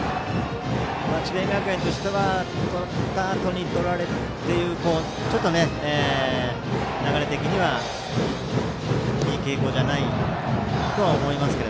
智弁学園としては取ったあとに取られて流れ的にはいい傾向じゃないとは思いますが。